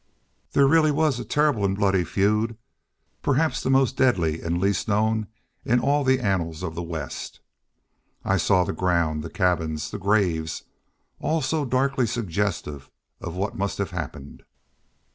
There really was a terrible and bloody feud, perhaps the most deadly and least known in all the annals of the West. I saw the ground, the cabins, the graves, all so darkly suggestive of what must have happened.